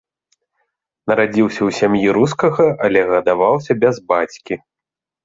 Нарадзіўся ў сям'і рускага, але гадаваўся бяз бацькі.